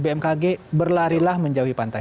bmkg berlarilah menjauhi pantai